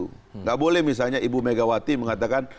tidak boleh misalnya ibu megawati mengatakan